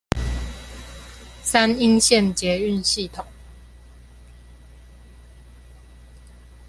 三鶯線捷運系統